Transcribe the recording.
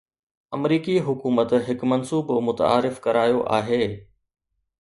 آمريڪي حڪومت هڪ منصوبو متعارف ڪرايو آهي